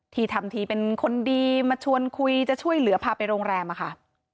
ทำทีเป็นคนดีมาชวนคุยจะช่วยเหลือพาไปโรงแรมอะค่ะ